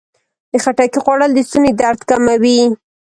د خټکي خوړل د ستوني درد کموي.